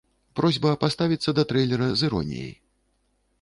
Просьба паставіцца да трэйлера з іроніяй.